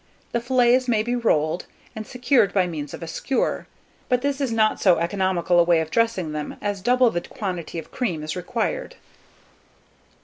The fillets may be rolled, and secured by means of a skewer; but this is not so economical a way of dressing them, as double the quantity of cream is required.